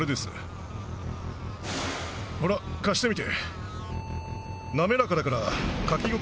ほら貸してみて。